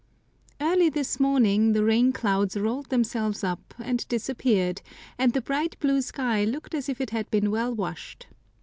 EARLY this morning the rain clouds rolled themselves up and disappeared, and the bright blue sky looked as if it had been well washed.